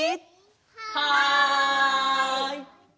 はい！